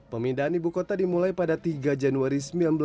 pemindahan ibu kota dimulai pada tiga januari seribu sembilan ratus empat puluh